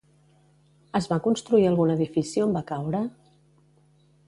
Es va construir algun edifici on va caure?